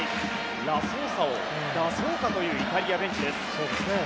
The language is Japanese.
ラソーサを出そうかというイタリアベンチです。